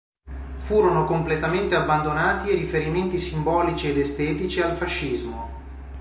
Furono completamente abbandonati i riferimenti simbolici ed estetici al fascismo.